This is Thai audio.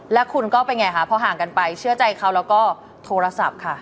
แล้วคุณก็เป็นไงคะพอห่างกันไปเชื่อใจเขาแล้วก็โทรศัพท์ค่ะ